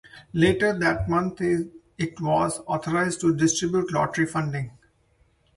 Later that month it was authorised to distribute lottery funding.